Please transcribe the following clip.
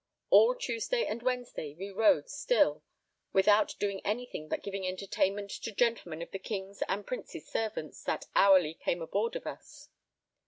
All Tuesday and Wednesday we rode still, without doing anything but giving entertainment to gentlemen of the King's and Prince's servants that hourly came aboard of us.